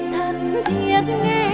thật tiếc nghe